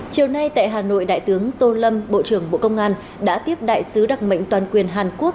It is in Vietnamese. chiều nay tại hà nội đại tướng tô lâm bộ trưởng bộ công an đã tiếp đại sứ đặc mệnh toàn quyền hàn quốc